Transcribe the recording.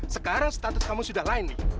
sekarang status kamu sudah lain nih